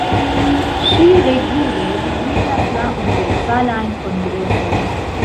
Ŝi regule vizitas la universalajn kongresojn.